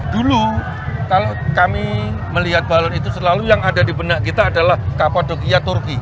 dulu kalau kami melihat balon itu selalu yang ada di benak kita adalah kapal dogiya turki